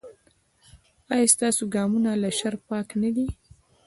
ایا ستاسو ګامونه له شر پاک نه دي؟